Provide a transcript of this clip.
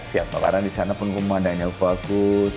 siap sekarang disana pengumumanannya bagus